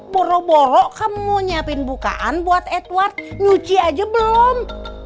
boro boro kamu nyiapin bukaan buat edward nyuci aja belum